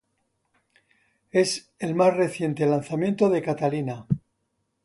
Es el más reciente lanzamiento de Catalina.